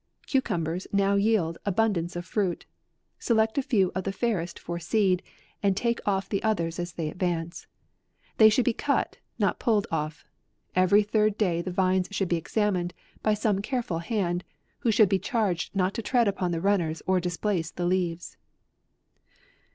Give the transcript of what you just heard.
CUCUMBERS now yield abundance of fruit. Select a few of the fairest for seed, and take off the others as they advance. They should be cut, not pulled off. Every third day the vines should be examined by some careful hand, who should be charged not to tread upon the run ners or displace the leaves.